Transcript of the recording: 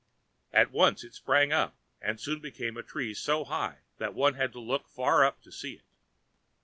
At once it sprung up, and soon became a tree so high one had to look far up to see it.